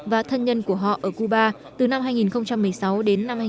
và thân nhân của họ ở cuba từ năm hai nghìn một mươi sáu đến năm hai nghìn một mươi chín